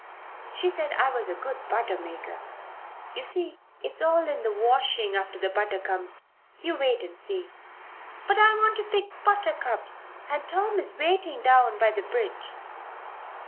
She said I was a good butter maker. You see, it's all in the washing after the butter comes. You wait and see." "But I want to pick buttercups and Tom is waiting down by the bridge."